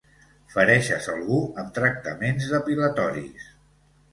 Fereixes algú amb tractaments depilatoris.